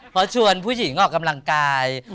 เพราะชวนผู้หญิงออกกำลังกาย